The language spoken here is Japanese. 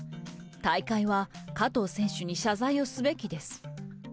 大会は、加藤選手に謝罪をすべきです。